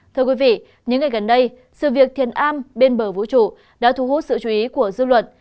thưa quý vị những ngày gần đây sự việc thiền a bên bờ vũ trụ đã thu hút sự chú ý của dư luận